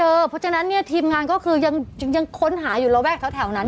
เพราะฉะนั้นเนี่ยทีมงานก็คือยังค้นหาอยู่ระแวกแถวนั้น